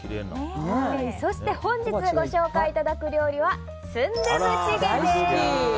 そして本日ご紹介いただく料理はスンドゥブチゲです。